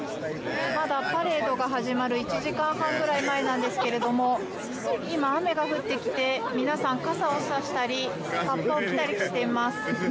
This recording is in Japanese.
まだパレードが始まる１時間半ぐらい前なんですが今、雨が降ってきて皆さん傘を差したりかっぱを着たりしています。